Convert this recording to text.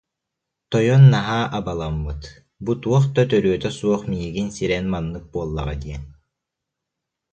Тойон наһаа абаламмыт, бу туох да төрүөтэ суох миигин сирэн маннык буоллаҕа диэн